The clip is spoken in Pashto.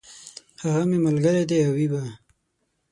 هغه مي ملګری دی او وي به !